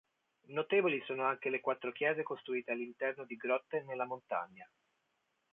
Notevoli sono anche le quattro chiese costruite all'interno di grotte nella montagna.